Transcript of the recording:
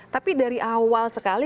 tapi dari awal sekali